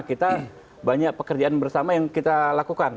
kita banyak pekerjaan bersama yang kita lakukan